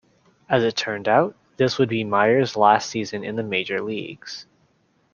As it turned out, this would be Meyer's last season in the major leagues.